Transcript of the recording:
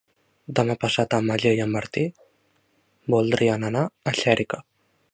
Demà passat en Magí i en Martí voldrien anar a Xèrica.